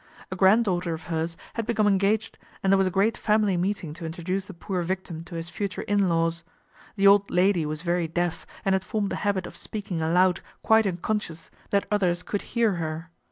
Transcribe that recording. A granddaughter of hers had become engaged and there was a great family meeting to introduce the poor victim to his future " in laws." The old lady was very deaf and had formed the habit of speaking aloud quite unconscious that others 94 PATRICIA BRENT, SPINSTER could hear her.